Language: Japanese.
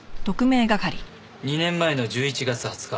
２年前の１１月２０日